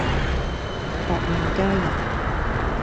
薄命佳人